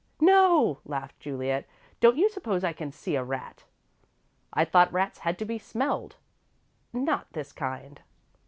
"No," laughed Juliet. "Don't you suppose I can see a rat?" "I thought rats had to be smelled." "Not this kind."